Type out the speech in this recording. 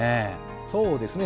そうですね。